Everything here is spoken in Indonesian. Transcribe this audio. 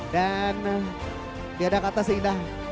dan tiada kata seindah